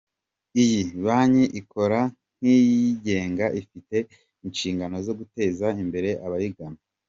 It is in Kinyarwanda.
Iyi banki ikora nk’iyigenga ifite inshingano zo guteza imbere abayigana.